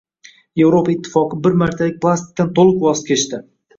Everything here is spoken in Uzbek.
Yevropa ittifoqi bir martalik plastikdan to‘liq voz kechdi